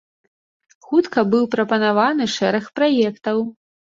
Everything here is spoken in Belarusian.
Хутка быў прапанаваны шэраг праектаў.